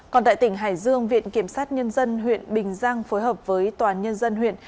còn tại tỉnh hải dương viện kiểm sát nhân dân huyện bình giang phối hợp với tòa nhân dân huyện